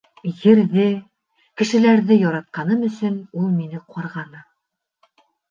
Ерҙе, кешеләрҙе яратҡаным өсөн ул мине ҡарғаны.